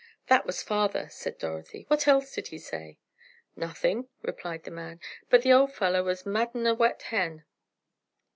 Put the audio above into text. "That was father!" said Dorothy. "What else did he say?" "Nothin'," replied the man, "but the old feller was maddern a wet hen!"